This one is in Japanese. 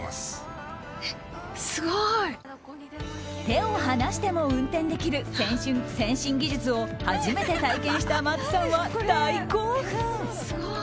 手を離しても運転できる先進技術を初めて体験した松さんは、大興奮。